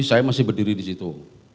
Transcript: saya masih berdiri di situ